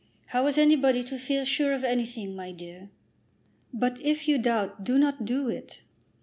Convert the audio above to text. "How is anybody to feel sure of anything, my dear?" "But if you doubt, do not do it."